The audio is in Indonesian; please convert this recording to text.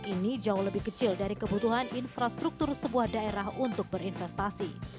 ini jauh lebih kecil dari kebutuhan infrastruktur sebuah daerah untuk berinvestasi